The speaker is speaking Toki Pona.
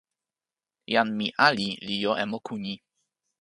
jan mi ali li jo e moku ni.